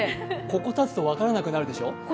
ここに立つと分からなくなるでしょう？